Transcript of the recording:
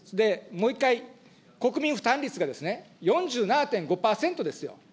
もう１回、国民負担率が４７．５％ですよ。